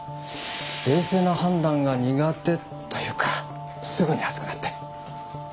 冷静な判断が苦手というかすぐに熱くなって。